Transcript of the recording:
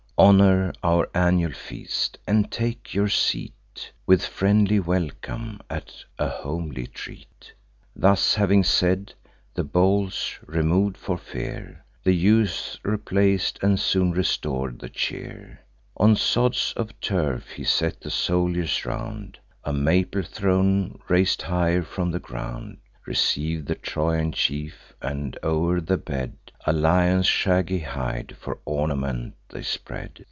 Honour our annual feast; and take your seat, With friendly welcome, at a homely treat." Thus having said, the bowls remov'd (for fear) The youths replac'd, and soon restor'd the cheer. On sods of turf he set the soldiers round: A maple throne, rais'd higher from the ground, Receiv'd the Trojan chief; and, o'er the bed, A lion's shaggy hide for ornament they spread.